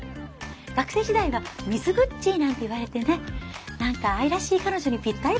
学生時代はミズグッチーなんて言われてね何か愛らしい彼女にぴったりですね。